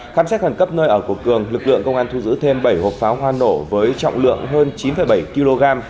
khám xét khẩn cấp nơi ở của cường lực lượng công an thu giữ thêm bảy hộp pháo hoa nổ với trọng lượng hơn chín bảy kg